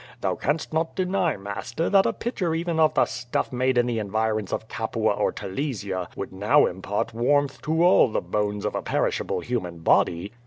Thou canst not deny, master, that a pitcher even of the stuff made in the environs of Capua or Telesia would now impart warmth to all the bones of a perishable human body."